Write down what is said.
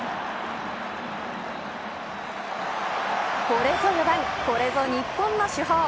これぞ４番これぞ日本の主砲。